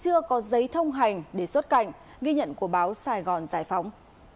chưa có giấy thông hành để xuất cảnh ghi nhận của báo sài gòn giải phóng